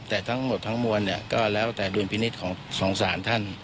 แต่ทั้งหมดทั้งมวลเนี่ยก็แล้วแต่ดุลพินิษฐ์ของสงสารท่าน